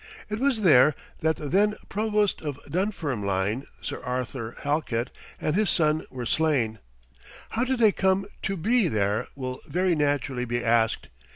It was there that the then provost of Dunfermline, Sir Arthur Halkett, and his son were slain. How did they come to be there will very naturally be asked.